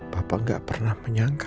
bapak gak pernah menyangka